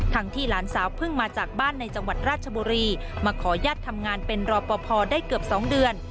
ที่หลานสาวเพิ่งมาจากบ้านในจังหวัดราชบุรีมาขอญาติทำงานเป็นรอปภได้เกือบ๒เดือน